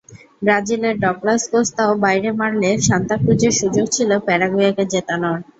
ব্রাজিলের ডগলাস কস্তাও বাইরে মারলে সান্তা ক্রুজের সুযোগ ছিল প্যারাগুয়েকে জেতানোর।